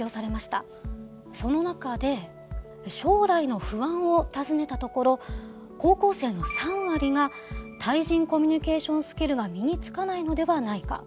その中で将来の不安を尋ねたところ高校生の３割が対人コミュニケーションスキルが身につかないのではないか。